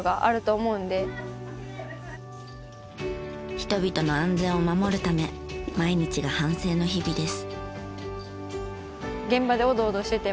人々の安全を守るため毎日が反省の日々です。